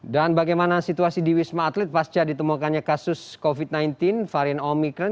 dan bagaimana situasi di wisma atlet pasca ditemukannya kasus covid sembilan belas varian omicron